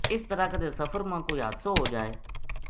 اس طرح کَدے سفر ما کوئی حادثو ہو جائے